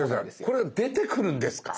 これ出てくるんですか？